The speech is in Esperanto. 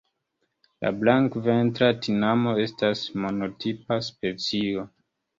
La Blankventra tinamo estas monotipa specio.